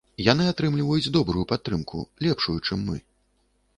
Яны атрымліваюць добрую падтрымку, лепшую, чым мы.